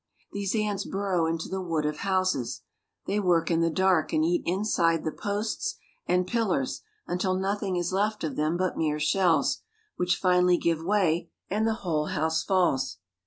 These ants burrow into the wood of houses. They work in the dark, and eat inside the posts and pil lars until nothing is left of them but mere shells, which finally give way and the whole house falls.